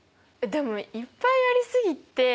でもいっぱいありすぎて。